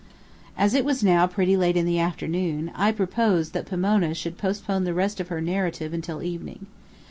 As it was now pretty late in the afternoon, I proposed that Pomona should postpone the rest of her narrative until evening.